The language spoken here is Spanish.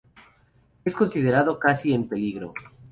Es considerado casi en peligro.